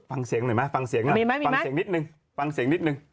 ฟังเสียงหน่อยมั้ยฟังเสียงมีมั้ยมีมั้ยฟังเสียงนิดหนึ่งฟังเสียงนิดหนึ่ง